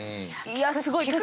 いやすごい。